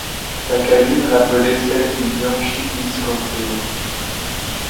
Sa cabine rappelait celle du Bianchi Visconteo.